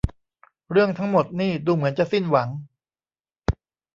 เรื่องทั้งหมดนี่ดูเหมือนจะสิ้นหวัง